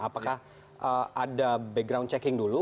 apakah ada background checking dulu